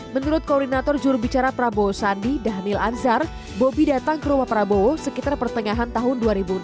menurut koordinator jurubicara prabowo sandi dhanil anzar bobi datang ke rumah prabowo sekitar pertengahan tahun dua ribu enam belas